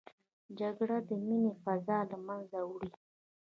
جګړه د مینې فضا له منځه وړي